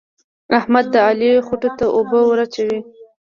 احمد د علي خوټو ته اوبه ور اچوي.